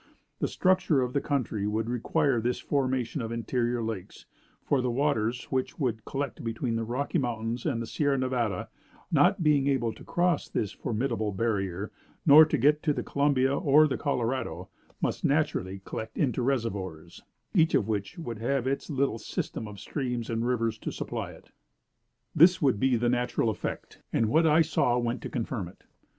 The structure of the country would require this formation of interior lakes; for the waters which would collect between the Rocky Mountains and the Sierra Nevada, not being able to cross this formidable barrier, nor to get to the Columbia or the Colorado, must naturally collect into reservoirs, each of which would have its little system of streams and rivers to supply it. This would be the natural effect; and what I saw went to confirm it.